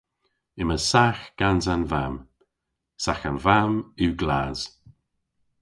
Yma sagh gans an vamm. Sagh an vamm yw glas.